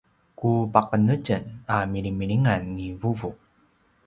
ku paqenetjen a milimilingan ni vuvu